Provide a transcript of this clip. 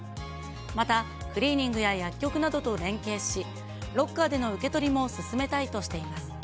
またクリーニングや薬局などとも連携し、ロッカーでの受け取りも進めたいとしています。